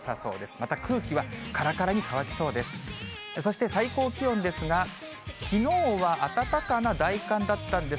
また空気はからからに乾きそうです。